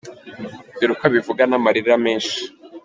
Dore uko abivuga n’amarira menshi :